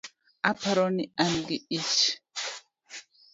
Aparo ni an gi ich